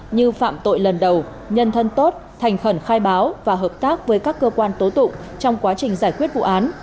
như phạm tội lần đầu nhân thân tốt thành khẩn khai báo và hợp tác với các cơ quan tố tụng trong quá trình giải quyết vụ án